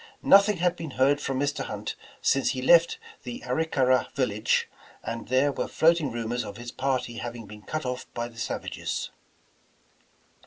Nothing had been heard from Mr. Hunt since he left the Arickara village, and there were floating rumors of his party having been cut off by the savages.